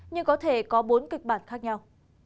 nhưng có thể có bốn kịch bản khác nhau